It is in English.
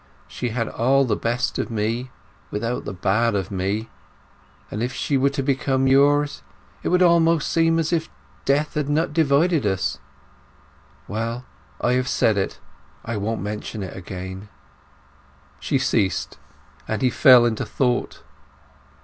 She had all the best of me without the bad of me; and if she were to become yours it would almost seem as if death had not divided us... Well, I have said it. I won't mention it again." She ceased, and he fell into thought.